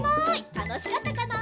たのしかったかな？